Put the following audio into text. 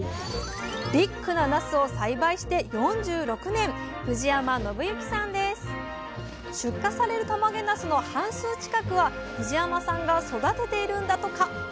ビッグななすを栽培して４６年出荷されるたまげなすの半数近くは藤山さんが育てているんだとか！